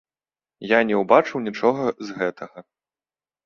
Я не ўбачыў нічога з гэтага.